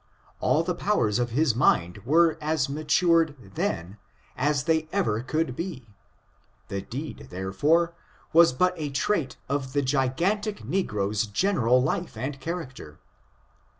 All the powers of his mind were as matured then, as they ever could be; the deed, therefore, was but a trait of the gigantic negro's gene ral life and character.